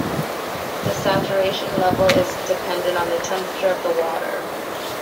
The saturation level is dependent on the temperature of the water.